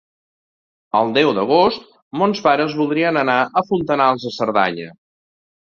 El deu d'agost mons pares voldrien anar a Fontanals de Cerdanya.